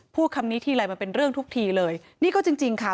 พูดคำนี้ทีละอีมาเป็นเรื่องทุกทีเลยนี่ก็จริงค่ะ